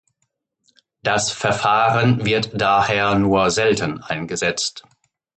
Das Verfahren wird daher nur selten eingesetzt.